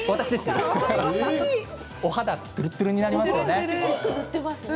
お肌つるつるになりますよね。